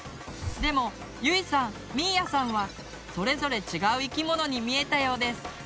でもゆいさんみーやさんはそれぞれ違う生き物に見えたようです。